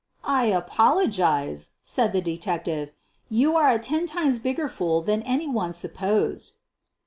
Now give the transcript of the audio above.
"I apologize," said the detective, "you are a ten times bigger fool than any one supposed."